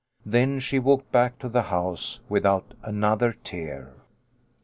Then she walked back to the house without another tear.